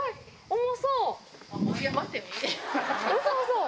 重そう、重そう。